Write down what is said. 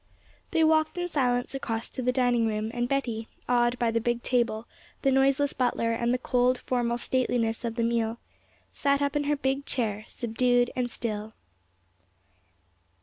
They walked in silence across to the dining room, and Betty, awed by the big table, the noiseless butler, and the cold, formal stateliness of the meal, sat up in her big chair, subdued and still.